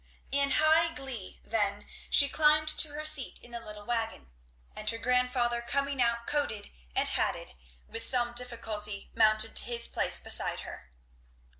In high glee then she climbed to her seat in the little wagon, and her grandfather coming out coated and hatted with some difficulty mounted to his place beside her.